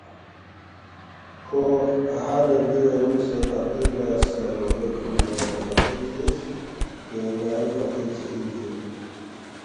کھو اَہا نہ بگیُوگین اونگسے فقیر لہ ”السّلام علیکم لے اتا فقیر“زیرس، ”یانگ گاری فقیر چی اِن جُو؟“